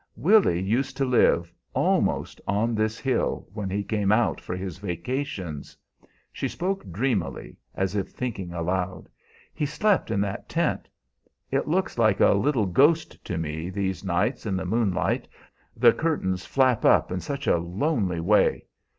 "Willy used to live, almost, on this hill when he came out for his vacations." She spoke dreamily, as if thinking aloud. "He slept in that tent. It looks like a little ghost to me these nights in the moonlight, the curtains flap in such a lonely way.